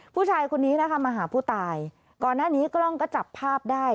ผู้ชายคนนี้นะคะมาหาผู้ตายก่อนหน้านี้กล้องก็จับภาพได้